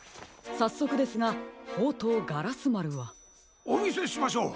さっそくですがほうとうガラスまるは？おみせしましょう。